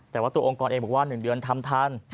แต่ว่าตัวองค์กรเองบอกว่า๑เดือนทำทัน